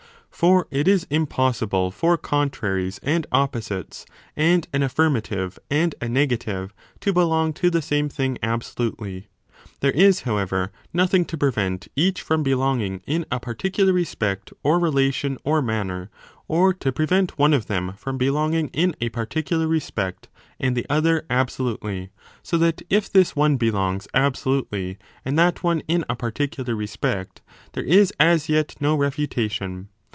For it is impossible for contraries and opposites and an affirmative and a negative to belong to the same thing absolutely ; there is, however, nothing to prevent each from belonging in a particular respect or rela tion or manner, or to prevent one of them from belonging in a particular respect and the other absolutely. So that if this one belongs absolutely and that one in a particular 3 respect, there is as yet no refutation.